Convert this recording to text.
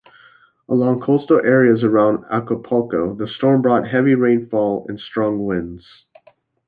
Along coastal areas around Acapulco, the storm brought heavy rainfall and strong winds.